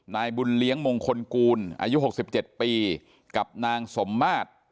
นายบุญเลี้ยงมงคลกูลอายุหกสิบเจ็ดปีกับนางสมมาตย์